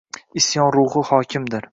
Isyon ruhi hokimdir.